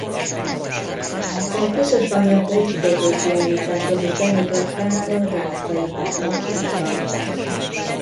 A közös anyagot fotókiállításon is bemutatták a Rátkai Márton Klubban.